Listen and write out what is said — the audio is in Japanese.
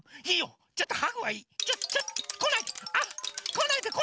いいよちょっとハグはいい。